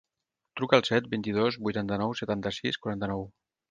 Truca al set, vint-i-dos, vuitanta-nou, setanta-sis, quaranta-nou.